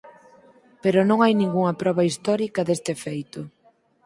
Pero non hai ningunha proba histórica deste feito.